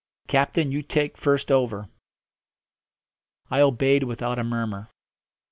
Captain, you take first over." I obeyed without a murmur.